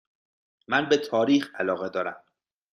من به تاریخ علاقه دارم.